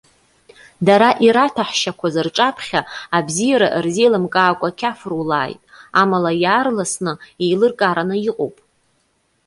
Дара ираҭәаҳшьақәаз рҿаԥхьа, абзиара рзеилымкаакәа қьаф рулааит! Амала иаарласны еилыркаараны иҟоуп!